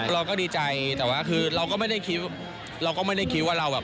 เราก็ดีใจแต่ว่าคือเราก็ไม่ได้คิดว่าเราแบบ